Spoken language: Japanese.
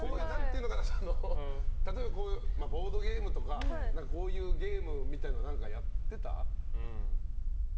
例えば、ボードゲームとかこういうゲームみたいなのは何かやってた？